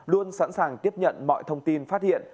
luôn sẵn sàng tiếp nhận mọi thông tin phát hiện